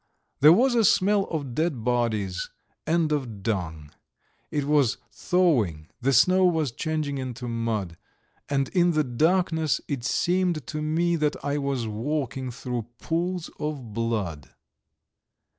There was a smell of dead bodies and of dung. It was thawing, the snow was changing into mud; and in the darkness it seemed to me that I was walking through pools of blood.